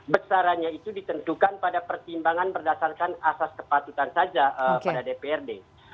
besarannya itu ditentukan pada pertimbangan berdasarkan asas kepatutan saja pada dprd